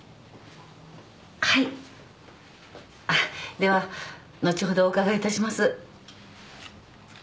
では後ほどお伺いいたします。